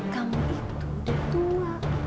kamu itu udah tua